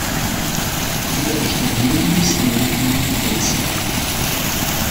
We moeten echter meer investeren in de preventie.